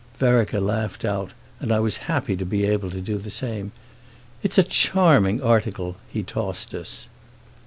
Vereker laughed out, and I was happy to be able to do the same. "It's a charming article," he tossed us.